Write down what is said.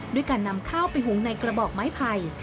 ด้วยการนำข้าวไปหุงในกระบอกไม้ไผ่